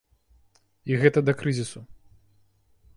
І гэта да крызісу.